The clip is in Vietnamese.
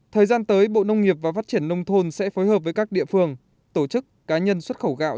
thời gian tới bộ nông nghiệp và phát triển nông thôn sẽ phối hợp với các địa phương tổ chức cá nhân xuất khẩu gạo